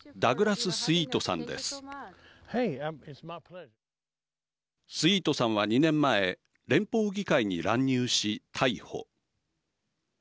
スイートさんは２年前連邦議会に乱入し逮捕。